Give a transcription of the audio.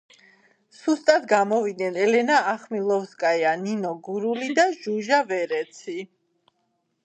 სუსტად გამოვიდნენ ელენა ახმილოვსკაია, ნინო გურიელი და ჟუჟა ვერეცი.